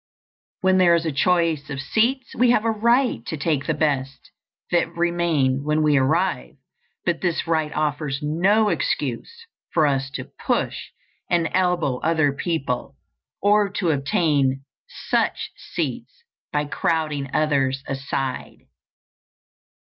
When there is a choice of seats we have a right to take the best that remain when we arrive; but this right offers no excuse for us to push and elbow other people, or to obtain such seats by crowding others aside.